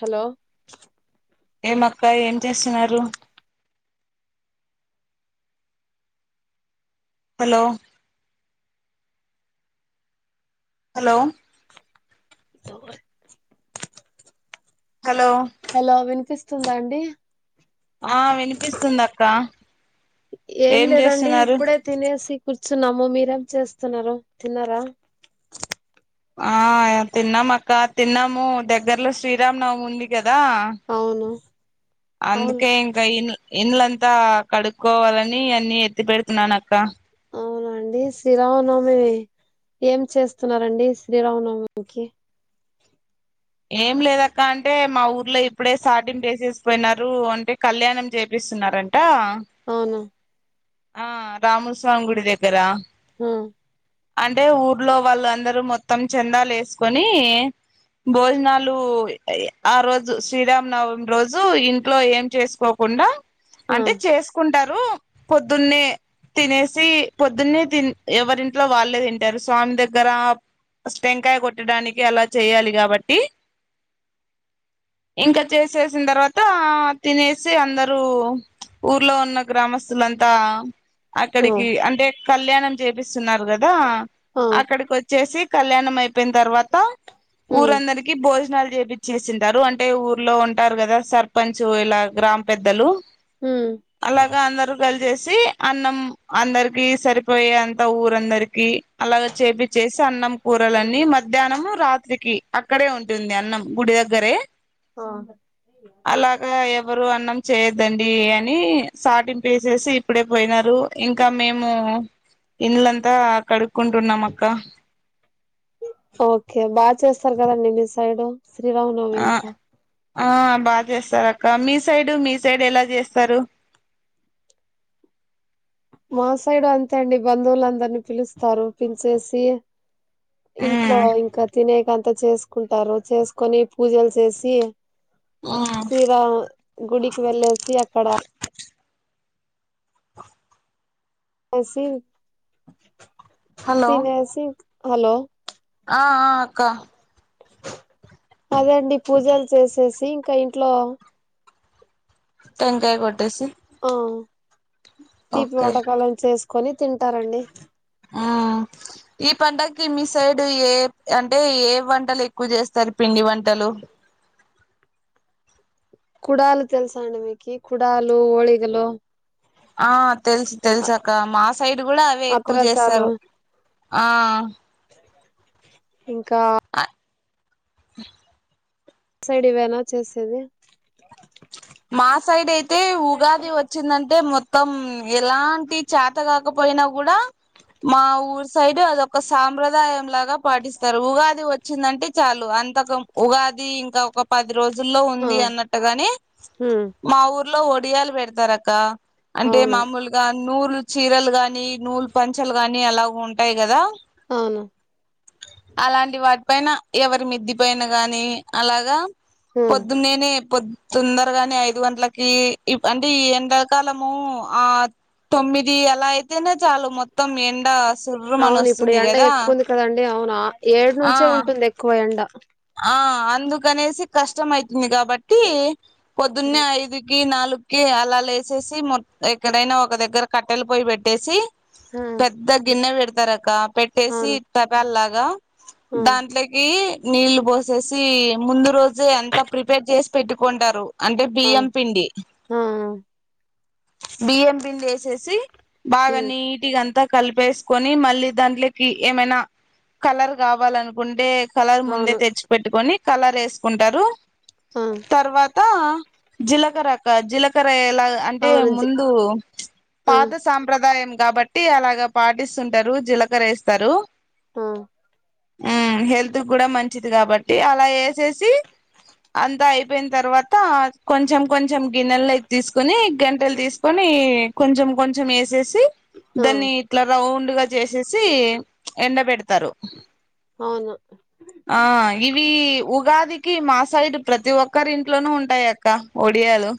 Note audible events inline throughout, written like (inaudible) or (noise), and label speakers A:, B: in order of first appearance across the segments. A: Hello
B: ఏం అక్క ఏం చేస్తున్నారు హలో హలో
A: దోర్
B: హలో
A: హలో విన్ పిస్తుందా అండి
B: ఆ వినిపిస్తుంది అక్క
A: ఏం లేదండి ఇప్పుడే తినేసి కూర్చున్నాము మీరేం చేస్తున్నారు తిన్నారా
B: ఆ తిన్నాం అక్క తిన్నాము దగ్గర్లో శ్రీరామ్ నవమి ఉంది కదా
A: అవును అవును
B: అందుకే ఇంకా ఇల్ ఇల్లం అంత కడుక్కోవాలని అన్ని ఎత్తి పెడుతున్నాను అక్క
A: అవునండి శ్రీరామనవమి, ఏం చేస్తున్నారంండి శ్రీరామనవమికి.
B: ఏం లేదక్క అంటే మా ఊర్లో ఇప్పుడే సాటింపు ఏసేసి, పోయినారు అంటే కళ్యాణం చేపిస్తున్నారంట.
A: అవునా
B: ఆ రాముస్వామి గుడి దగ్గర
A: ఊ
B: అంటే ఊర్లో వాళ్ళు అందరూ మొత్తం చందాలు ఏసుకొని భోజనాలు ఆ రోజు శ్రీరామనవమి రోజు ఇంట్లో ఏం చేసుకోకుండా
A: ఆ
B: అంటే చేసుకుంటారు పొద్దున్నే తినేసి పొద్దున్నే తి ఎవరింట్లో వాళ్ళే తింటారు స్వామి దగ్గర టెంకాయ కొట్టడానికి అలా చేయాలి కాబట్టి ఇంకా చేసేసిన తర్వాత తినేసి అందరూ ఊర్లో ఉన్న గ్రామస్ స్తులంత
A: ఆ
B: అక్కడికి అంటే కళ్యాణం చేపిస్తున్నారు కదా
A: ఆ
B: అక్కడికి వచ్చేసి కళ్యాణం అయిపోయిన తర్వాత
A: ఉమ్
B: ఊరందరికి భోజనాలు చేపి చేసింటారు అంటే ఊర్లో ఉంటారు కదా సర్పంచ్ ఇలా గ్రామ పెద్దలు
A: ఉమ్
B: అలాగా అందరు లలి చేసి అన్నం అందరికి సరిపోయే అంత ఊరందరికి అలాగ చేపి చేసి అన్నం కూరలన్నీ మధ్యాహ్నం రాత్రికి అక్కడే ఉంటుంది అన్నం గుడి దగ్గరే
A: ఆ
B: అలాగా ఎవరు అన్నం చేయొద్దండి అని సాటిం వేసేసి ఇప్పుడే పోయినారు ఇంకా మేము ఇల్లంతా కడుక్కుంటున్నాం అక్క
A: ఓకే బాగా చేస్తారు కదండి మీ సైడు శ్రీరామనవమి
B: ఆ
A: అంతా
B: ఆ బాగా చేస్తారు అక్క మీ సైడు మీ సైడ్ ఎలా చేస్తారు
A: మా సైడు అంతే అండి బంధువులందరిని పిలుస్తారు పిలిచేసి ఇంట్లో
B: ఉమ్
A: ఇంకా తినే కంత చేసుకుంటారు చేసుకొని పూజలు చేసి
B: ఉమ్
A: శ్రీరామ్ గుడికి వెళ్ళేసి అక్కడ అసి
B: హలో
A: తినేసి హలో
B: ఆ ఆ అక్క
A: అదేండి పూజలు చేసేసి ఇంకా ఇంట్లో
B: టంకాయ కొట్టేసి
A: అ తీపి
B: ఓకే
A: వంటకాలం చేసి కొని తింటారండి
B: ఈ పంటకి మీ సైడ్ ఏ అంటే ఏ వంటలు ఎక్కువ చేస్తారు పిండి వంటలు
A: కుడాలు తెల్సా అండమీకి కుడాలు హోళిగలు
B: ఆ తెలుసు తెలుసాక్క మా సైడ్ కూడా అవే ఎక్కువ
A: అత్రసాలు
B: చేస్తారు ఆ
A: ఇంకా
B: ఆ
A: సైడ్ ఇవేనా చేసేది
B: మా సైడ్ అయితే ఉగాది వచ్చిందంటే మొత్ మొత్తం ఎలాంటి చేత కాకపోయినా కూడా మా ఊర్ సైడ్ అదొక సాంప్రదాయం లాగా గా పాటిస్తారు ఉగాది వచ్చి వచ్చిందంటే చాలు అంతక ఉగాది ఇంకా ఒక పది ఈ రోజుల్లో ఉంది అన్నట్టుగాని
A: హ
B: మా ఊర్లో ఒడియాలు పెడతారు అక్క అంటే
A: అవును
B: మామూలుగా నూలు చీరలు గాని నూలు పంచలు గాని అలాగ ఉంటాయి కదా
A: అవును
B: అలాంటి వాటి పైన ఎవరి మిద్దిపోయిన గాని అలాగా
A: ఉమ్
B: పోద్దునేనే పోద్ తుందరగానే ఐదు గంటలకి అంటే ఈ ఎండలకాలము ఆ తొమ్మిది అలా అయితేనే చాలు మొత్తం ఎండ సుర్రుమని
A: అవును ఇప్పుడు
B: వస్తుంది
A: ఎండ
B: కదా
A: ఎక్కువుంది కదండి అవును ఏడు
B: ఆ
A: నుంచే ఉంటుంది ఎక్కువ ఎండ
B: ఆ అందుకనేసి కష్టం అయితుంది కాబట్టి
A: ఉమ్
B: పొద్దున్నే ఐదుకి నాలుగుకి అలా లేసేసి మొ ఎక్కడైనా ఒక దగ్గర కట్టెలు పోయి పెట్టేసి
A: ఆ
B: పెద్ద గిన్న పేడ్ తరక పెట్టేసి
A: అవును
B: తపాల్లగ
A: ఆ
B: హలో దాంట్లోకి నీళ్లు పోసేసి ముందు రోజే అంత ప్రిపేర్ చేసి పెట్టుకుంటారు అంటే
A: ఆ
B: బియ్యం పిండి
A: ఆ
B: బియ్యం పిండి ఏసేసి బాగా
A: హ్మ్
B: నీటిగా అంతా కలిపేసుకొని మళ్ళీ దాంట్లేకి ఏమైనా కలర్ కావాలనుకుంటే అంటే కలర్ మో ముందే
A: అవును
B: తెచ్చిపెట్టుకొని కలర్ వేసుకుంటారు
A: ఆ
B: తర్వాత జీలకర్ర అక్క జీలకర్ర అలా అంటే
A: అవును జి
B: ముందు
A: ఆ
B: పాత సాంప్రదాయం కాబట్టి అలాగా పాటిస్తుంటారు జీలకర్ర వేస్తారు
A: మ్మ్
B: ఆ హెల్త్ కూడా మంచిది మంచిది కాబట్టి అలా వేసేసి అంతా అయిపోయిన తర్వాత కొంచెం కొంచెం గిన్నెల్లోకి తీసుకొని గంటెలు తీసుకొని కొంచెం కొంచెం వేసేసి
A: ఆ
B: దాన్ని ఇట్లా రౌండ్ డుగా చేసేసి ఎండ పెడతారు
A: అవును
B: ఆ ఇవి ఉగాదికి మా సైడ్ ప్రతి ఒక్కరి ఇంట్లోనూ ఉంటాయి అక్క ఒడియాలు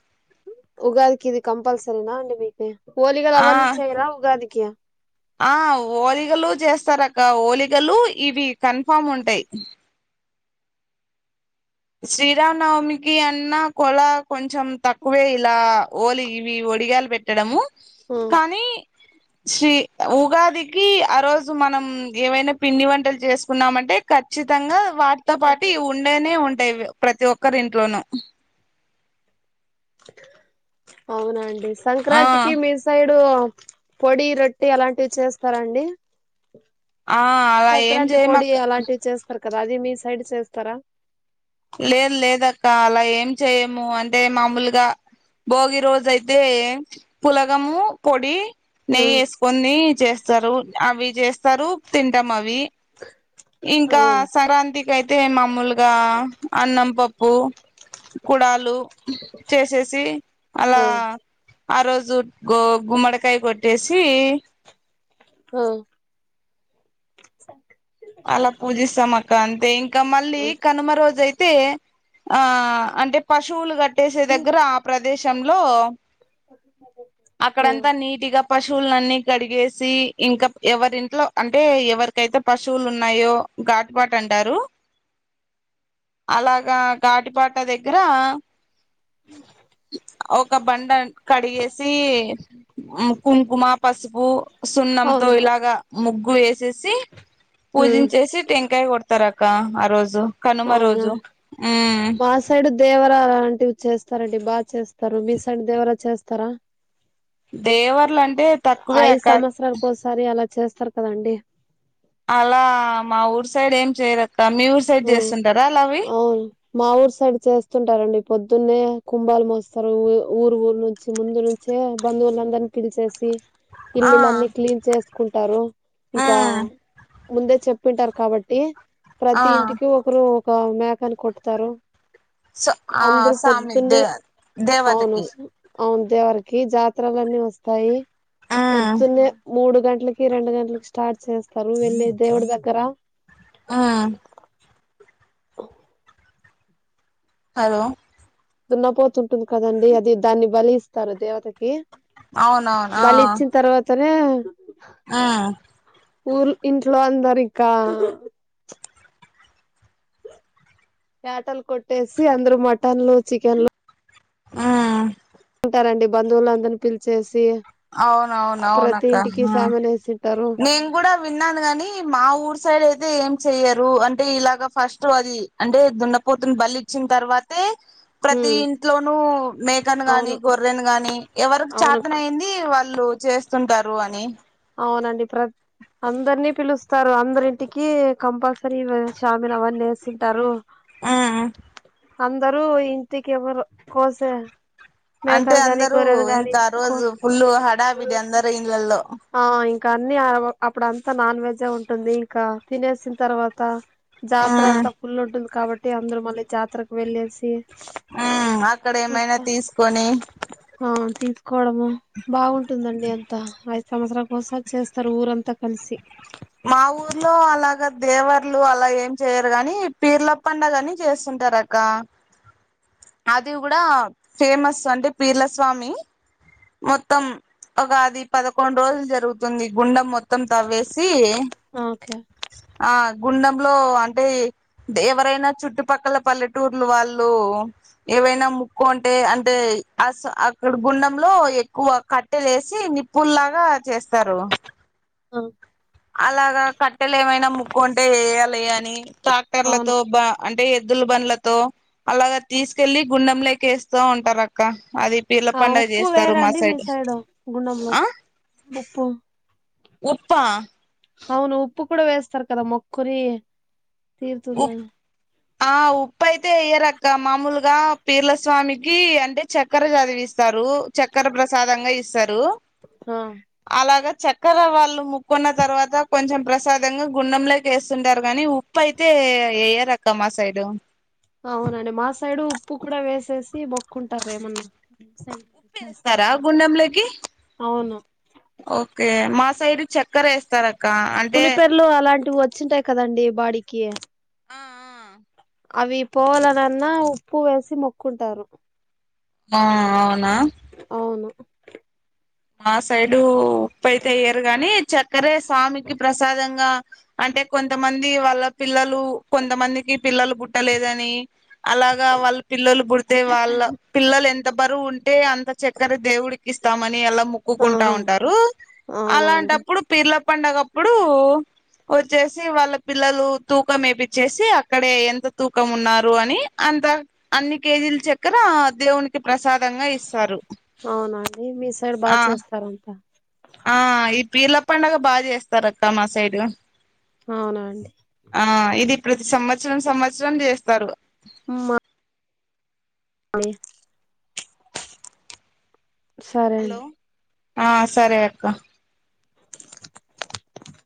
A: ఉగాదికి ఇది కంపల్సరీనా అండి మీకి ఓలిగలు
B: ఆ
A: అవన్ని చేయరా ఉగాదికి కే
B: ఆ ఓలిగలు చేస్తారక్క ఓలిగలు ఇవి కన్ఫామ్ ఉంటాయి శ్రీరామనవమికి అన్న కొల కొంచెం తక్కువే ఇలా ఓలి ఇవి ఒడిగ్యాలు పెట్టడము కానీ శ్రీ ఉగాదికి ఆ రోజు మనం ఏవైనా పిండి వంటలు చేసుకున్నామంటే ఖచ్చితంగా వాటితో పాటి ఇవి ఉండేనే ఉంట టయి ప్రతి ఒక్కరు ఇంట్లోనూ
A: అవునండి
B: ఆ
A: సంక్రాంతికి మీసైడ్ ఇప్పుడు పొడి రొట్టి అలాంటివి చేస్తారా అండి
B: ఆ అలా ఏం చేయమక్క
A: కద అది మీ సైడ్ చేస్తారా
B: లేదు లేదక్క అలా ఏం చెయము అంటే మామూలుగా భోగి రోజు అయితే పులగము పొడి
A: ఆ
B: నెయ్యి వేసుకొని చేస్తారు అవి చేస్ సరూప్ తింటమవి ఇంకా
A: అవును
B: సంక్రాంతికి అయితే మామూలుగా పంపప్పు కుడాలు చేసేసి అలా
A: ఆ
B: ఆ రోజు గో గుమ్మడికాయ కొట్టేసి
A: ఆ
B: కంతే ఇక మళ్ళీ
A: ఆ
B: కనుమ రోజు అయితే అతే ఆ అంటే పశువులు కట్టేసే దగ్గర ఆ ప్రదేశంలో
A: ఆ,
B: అక్కడంతా నీటిగా పశువులన్ని కడిగేసి ఇంకా ఎవరింట్లో అంటే ఎవరికైతే పుసువు శువులు ఉన్నాయో ఘాటిపాట అంటారు అలాగా ఘాటిపాట దగ్గర ఒక బండ కడిగేసి కుంకుమ పసుపు సున్నంతో
A: అవును
B: ఇలాగా ముగ్గు వేసి చేసి
A: హ్మ్
B: పూజించేసి టెంకాయ కొడతారు అక్క ఇకా ఆ రోజు కనుమ
A: అవును
B: రోజు
A: మా సైడ్ దేవరా లాంటివి చేస్తారంండి బాగా చేస్తారు మీసం దేవరా చేస్తారా
B: దేవర్లు అంటే తక్కువే
A: ఐదు
B: అక్క
A: సంవత్సరాలకు ఒకసారి అలా చేస్తారు కదాండి
B: అలా మా ఊర్ సైడ్ ఏం చేయరు ఇ మీ ఊరు సైడ్
A: ఆ
B: చేస్తుంటారా అలావి
A: అవును మా ఊరు సైడ్ చేస్తుంటారండి పొద్దున్నే కుంభాలు మోస్తారుఊ ఊరు ఊరు నుంచి ముందు నుంచే బంధువులందరినీ పిలిచేసి
B: ఆ
A: ఇల్లులన్నీ క్లీన్ చేసుకుంటారు ఇంకా
B: ఉమ్
A: ముందే చెప్పింటారు కాబట్టి
B: ఆ
A: దీంటికి ఒకరు మ్యాకన్ కొట్తారు
B: స ఆ సామి దేవ దేవతకి
A: అవుందిేవరికి జాతలున్నీ వస్తాయి
B: ఉమ్
A: పొద్దున్న మూడు గంట లకి రెండు గంటలకి స్టార్ట్ చేస్తారు వెళ్ళి దేవుడి దగ్గర
B: ఆ
A: అఓ
B: హలో
A: దున్నపోతుంటుంది కదండి అది దాన్ని బలి ఇస్తారు దేవతకి
B: అవునవునా
A: సనే
B: ఆ
A: ఊర్ ఇంట్లో అందరు ఇకా యట్టలు కొట్టేసి అందరు మటన్లు చికెన్లు
B: హ్మ్
A: ఉంటారండి బంధువులందరిని పిలిచేసి
B: అవునవును
A: ప్రతి
B: అవునక్క
A: ఇంటికి సామాను వేసింటారు
B: నేను కూడా విన్నాను కాగాని మా ఊరు సైడ్ అయితే అయితే ఏం చెయ్యరు అంటే ఇలాగ ఫస్ట్ అది అంటే దున్నపోతున్న బలి ఇచ్చిన తర్వాతే ప్రతి
A: హ్మ్
B: ఇంట్లోనూ మేకను గాని
A: అవును
B: గొర్రెని గాని ఎవరికి
A: అవును
B: చేతనయింది వాళ్ళు చేస్తుంటారు అని
A: అవునండి ప్ర అందరినీ పిలుస్తారు అందరింటికి కంపల్సరీ చామిన అవన్నీ నేసింటారు
B: హ్మ్
A: అందరు ఇంటికి ఇవరు కోసే
B: అంటే
A: మేకను గాని
B: అందరు
A: గొర్రెను గాని
B: ఇంత
A: కో
B: రోజు ఫుల్ హడావిడి అందరు ఇల్ ఇళ్లలో
A: ఆ ఇంకా అన్ని అప్పుడ అంతా నాన్ వెజే ఉంటుంది ఇంకా తినేసిన తర్వాత జాతర్
B: ఉమ్
A: అంత ఫుల్ ఉంటుంది కాబట్టి అందరు మళ్ళీ జాతరకు వెళ్ళేసి
B: హ్మ్ అక్కడ ఏమైనా
A: చూస్తా
B: తీసుకొని
A: కోవడము బాగుంటుందండి అంత ఆ ఐదు సంవత్సరాల కోస్సార్ చేస్తారు ఊరంతా కలిసి
B: మా ఊర్లో అలాగ దేవర్లు అలా ఏం చేయరు గానీ పీర్ల పండగ కాని చేస్తుంటారు అక్క అది కూడా ఫేమస్ అంటే పీర్ల స్వామి మొత్తం ఒక అది పదకొండు రోజులు జరుగుతుంది గుండె మొత్తం మొత్తం తవ్వేసి
A: ఓకే
B: ఆ గుండెంలో అంటే ఎవరైనా చుట్టుపక్కల పల్లెటూర్లు వాళ్ళు ఏవైనా ముక్కు అంటే అంటే అ అక్కడ గుండెం లో ఎక్కువ కట్టెలే వేసి నిప్పుల్లాగా చేస్తారు
A: ఆ
B: అలాగా కట్టెలు ఏమైనా ముక్కు ఉంటే వేయాలి అని
A: అవును
B: ట్రాక్టర్లతో బా అంటే లు బనల త అలాగ తీసుకెళ్ళలి గుండెం లే చేస్తూ ఉంటారక్క అది పీర్ల
A: ఆ
B: పండగ
A: ఉప్పు
B: చేస్తారు మా
A: వేరండి మీ
B: సైడ్
A: సైడు గుండంలో
B: ఆ
A: ఉప్పు
B: ఉప్పా
A: అవును ఉప్పు కూడా వేస్తారు కదా మొకురి
B: ఉ
A: తీరుతుందా
B: ఆ ఉప్పు అయితే ఎయ్యరక్క మామూలుగా పీర్లస్వామికి అంటే చక్కెర చదివిస్తారు చక్కెర ప్రసాదంగా ఇస్తారు (unintelligible) అలాగా చక్కెర వాళ్ళు ముక్కున్న తర్వాత కొంచెం ప్రసాదంగా గుండంలోకి వేస్తుంటారు గానీ ఉప్పు అయితే అతే ఎయ్యరక్క మా సైడు
A: అవునండి మా సైడు ఉప్పు కూడా వేసేసి మొక్కుంటారు ఏమన్నా
B: ఉప్పు వేస్తారా గుండెంలోకి
A: అవును
B: ఓకే మా సైడ్ చక్కర వేస్తారు
A: పులిపెర్లు అలాంటివి వచ్చ వచ్చింటాయి కదండి బాడీకి
B: ఆ ఆ
A: అవి పోవలనన్నా ఉప్పు వేసి మొక్కుంటారు
B: ఆ అవునా
A: అవును
B: మా సైడు ఉప్పు అయితే ఎయ్యరు గాని చె క్కరే స్వామికి ప్రసాదంగా అంటే కొంతమంది వాళ్ళ పిల్లలు కొంతమందికి పిల్లలు పుట్టలేదని అలాగా వాళ్ళు పిల్లలు పుడితే వాళ్ళ పిల్లలు ఎంత బరువు ఉంటే అంత చక్కర దేవుడికి ఇస్తే మని ఎలా మక్కుకుంటా
A: ఆహా
B: ఉంటారు
A: అవునండి
B: అలాంటప్పుడు పీర్ల పండగప్పుడు వచ్చేసి వాళ్ళ పిల్లలు తూకం వేపిచ్చేసి అక్కడే ఎంత తూకం ఉన్నారు అని అంత అన్ని కేజీల చక్కెర దేవునికి ప్రసాదంగా ఇస్తారు
A: బా
B: ఆ
A: చేస్తారంట
B: ఆ ఈ పీర్ల పండగ బాగా చేస్తారు అక్క మా సైడు
A: అవునా అండి
B: ఆ ఇది ప్రతి సంవత్సరం సంవత్సరం చేస్తారు
A: మా అే సరే
B: హలో
A: అండి
B: ఆ సరే అక్క